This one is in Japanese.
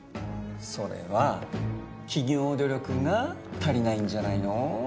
それは企業努力が足りないんじゃないの？